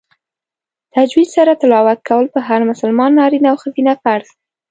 تجوید سره تلاوت کول په هر مسلمان نارینه او ښځینه فرض دی